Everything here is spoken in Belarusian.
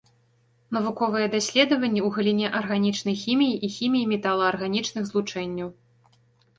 Навуковыя даследаванні ў галіне арганічнай хіміі і хіміі металаарганічных злучэнняў.